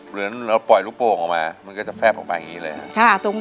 เหมือนเราปล่อยลูกโป่งออกมามันก็จะแฟบออกมาอย่างนี้เลยครับ